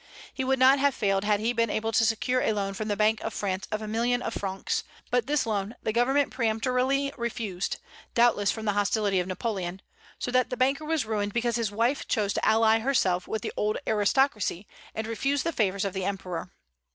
He would not have failed had he been able to secure a loan from the Bank of France of a million of francs; but this loan the Government peremptorily refused, doubtless from the hostility of Napoleon; so that the banker was ruined because his wife chose to ally herself with the old aristocracy and refuse the favors of the Emperor.